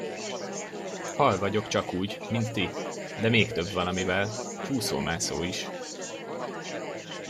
Hal vagyok csakúgy, mint ti, de még több valamivel: csúszómászó is.